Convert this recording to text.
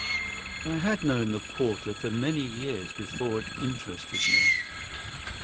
I HAD known the quarter for many years before it interested me.